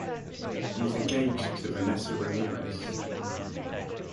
He is engaged to Vanessa Ramirez.